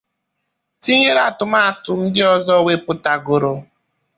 tinyere atụmatụ ndị ọzọ o wepụtagoro